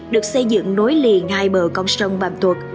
được xây dựng nối liền hai bờ con sông bàm tuột